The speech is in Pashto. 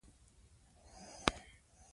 پښتانه په عذاب سول.